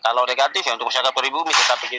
kalau negatif ya untuk usaha pribumi